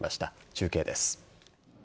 中継です。